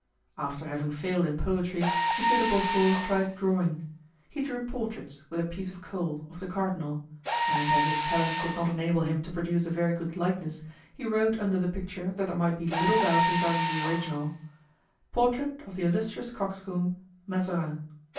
After having failed in poetry, Monsieur de Beaufort tried drawing. He drew portraits, with a piece of coal, of the cardinal; and as his talents did not enable him to produce a very good likeness, he wrote under the picture that there might be little doubt regarding the original: "Portrait of the Illustrious Coxcomb, Mazarin."